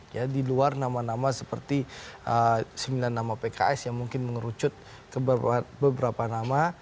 ya di luar nama nama seperti sembilan nama pks yang mungkin mengerucut ke beberapa nama